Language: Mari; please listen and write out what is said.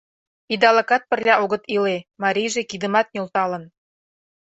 Идалыкат пырля огыт иле, марийже кидымат нӧлталын.